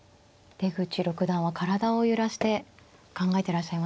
出口六段は体を揺らして考えていらっしゃいますね。